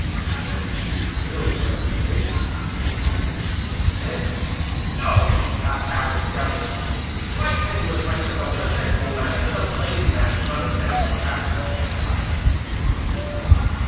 "Then she fulfilled your expectations." "Eh? Oh, a thousand devils, why can't you express yourself in a sensible manner that a plain man can understand without having to think about it?"